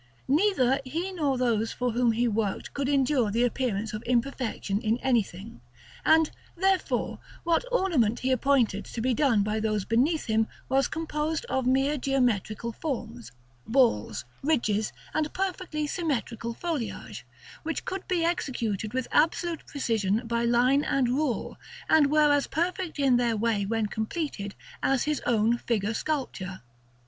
Neither he nor those for whom he worked could endure the appearance of imperfection in anything; and, therefore, what ornament he appointed to be done by those beneath him was composed of mere geometrical forms, balls, ridges, and perfectly symmetrical foliage, which could be executed with absolute precision by line and rule, and were as perfect in their way when completed, as his own figure sculpture.